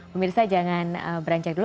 pemirsa jangan beranjak dulu